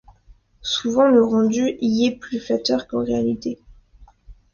Souvent le rendu y est plus flatteur qu'en réalité.